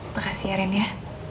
makasih ya ren ya